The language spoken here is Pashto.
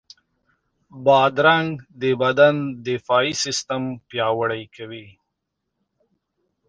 بادرنګ د بدن دفاعي سیستم پیاوړی کوي.